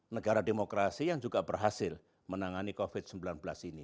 negara demokrasi yang juga berhasil menangani covid sembilan belas ini